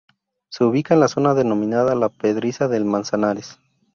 Se ubica en la zona denominada La Pedriza del Manzanares.